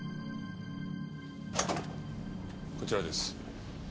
こちらです。